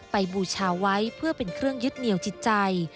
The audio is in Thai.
บูชาไว้เพื่อเป็นเครื่องยึดเหนียวจิตใจ